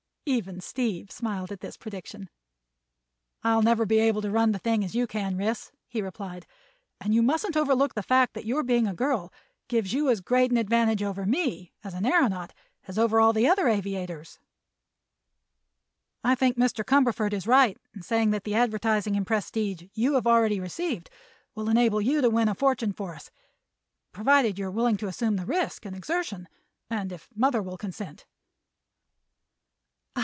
Even Steve smiled at this prediction. "I'll never be able to run the thing as you can, Ris," he replied, "and you mustn't overlook the fact that your being a girl gives you as great an advantage over me, as an aeronaut, as over all other aviators. I think Mr. Cumberford is right in saying that the advertising and prestige you have already received will enable you to win a fortune for us—provided you are willing to assume the risk and exertion, and if mother will consent."